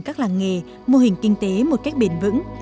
các làng nghề mô hình kinh tế một cách bền vững